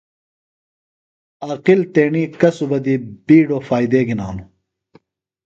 عاقل تیݨی کسُبہ دی بِیڈو فائدے گِھناُوۡ۔